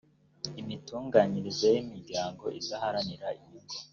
imitunganyirize y imiryango idaharanira inyungu